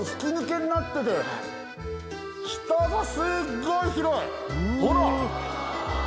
下がすっごい広いほら！